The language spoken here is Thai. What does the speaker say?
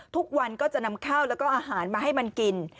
ทุกวันก็จะนำข้าวแล้วก็อาหารมาให้มันกิน